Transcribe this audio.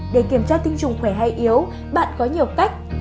để kiểm tra tinh trùng khỏe hay yếu bạn có nhiều cách